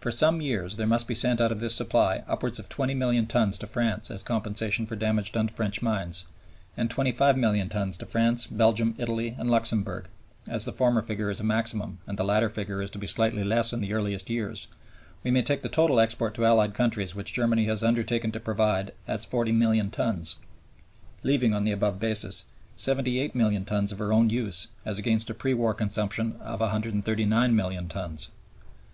For some years there must be sent out of this supply upwards of 20,000,000 tons to France as compensation for damage done to French mines, and 25,000,000 tons to France, Belgium, Italy, and Luxemburg; as the former figure is a maximum, and the latter figure is to be slightly less in the earliest years, we may take the total export to Allied countries which Germany has undertaken to provide as 40,000,000 tons, leaving, on the above basis, 78,000,000 tons for her own use as against a pre war consumption of 139,000,000 tons.